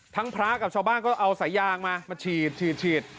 พระกับชาวบ้านก็เอาสายยางมามาฉีดฉีด